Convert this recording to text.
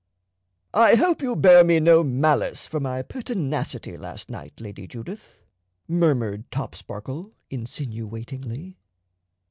"I hope you bear me no malice for my pertinacity last night, Lady Judith," murmured Topsparkle, insinuatingly.